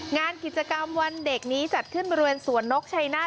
งานกิจกรรมวันเด็กนี้จัดขึ้นบริเวณสวนนกชัยนาธ